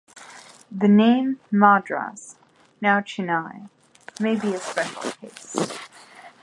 The name Madras, now Chennai, may be a special case.